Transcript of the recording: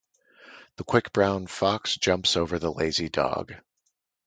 The quick brown fox jumps over the lazy dog.